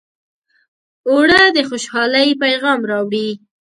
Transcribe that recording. اوړه د خوشحالۍ پیغام راوړي